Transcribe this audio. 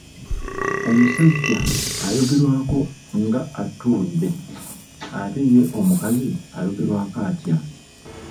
Omusajja ayogerwako nga attuuludde, ate ye omukazi ayogerwako atya?